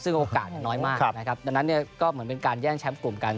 ซึ่งโอกาสน้อยมากนะครับดังนั้นเนี่ยก็เหมือนเป็นการแย่งแชมป์กลุ่มกัน